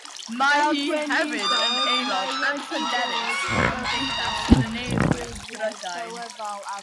Mae hi hefyd yn Aelod Anrhydeddus o Gymdeithas Ddyneiddwyr Prydain.